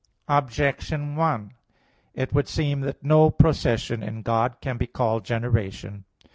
Objection 1: It would seem that no procession in God can be called generation.